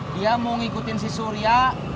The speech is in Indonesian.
dia mau ngikutin si surya